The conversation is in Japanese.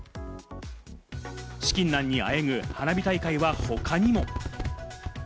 資金難にあえぐ花火大会は他にも。